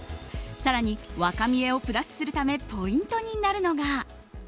更に若見えをプラスするためポイントになるのが。